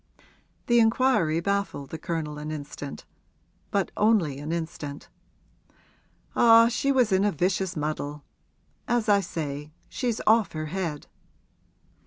The inquiry baffled the Colonel an instant but only an instant. 'Ah, she was in a vicious muddle! As I say, she's off her head.'